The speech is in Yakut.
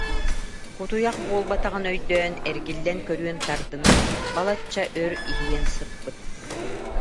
Кутуйах буолбатаҕын өйдөөн, эргиллэн көрүөн тардынан, балачча өр иһийэн сыппыт